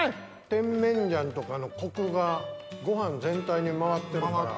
甜麺醤とかのコクがご飯全体に回ってるから。